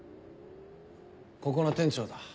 ここの店長だ。